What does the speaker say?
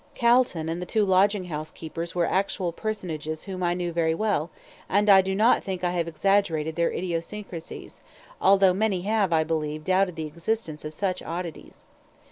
Calton and the two lodging house keepers were actual personages whom I knew very well, and I do not think I have exaggerated their idiosyncracies, although many have, I believe, doubted the existence of such oddities.